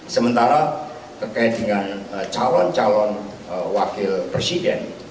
sementara terkait dengan calon calon wakil presiden